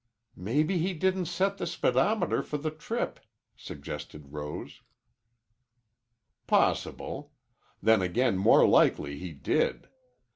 "Maybe he didn't set the speedometer for the trip," suggested Rose. "Possible. Then again more likely he did.